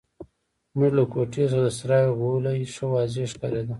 زموږ له کوټې څخه د سرای غولی ښه واضح ښکارېده.